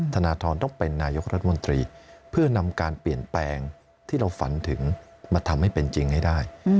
ธนทรต้องเป็นนายกรัฐมนตรีเพื่อนำการเปลี่ยนแปลงที่เราฝันถึงมาทำให้เป็นจริงให้ได้